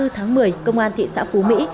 hai mươi tháng một mươi công an thị xã phú mỹ